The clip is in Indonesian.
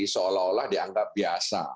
seolah olah dianggap biasa